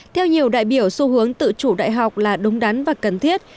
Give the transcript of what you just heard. theo nhiều đại biểu xu hướng tự chủ đại học là đúng đắn và cần thiết